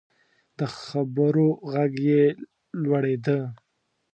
د خبرو غږ یې لوړیده.